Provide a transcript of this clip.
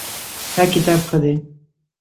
دا کتاب ښه دی